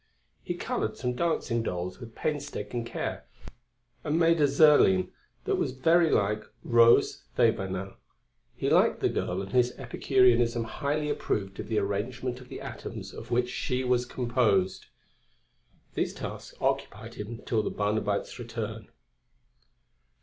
He coloured some dancing dolls with painstaking care and made a Zerline that was very like Rose Thévenin. He liked the girl and his Epicureanism highly approved of the arrangement of the atoms of which she was composed. These tasks occupied him till the Barnabite's return.